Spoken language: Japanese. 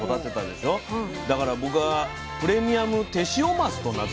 だから僕はプレミアムテシオマスと名付けます。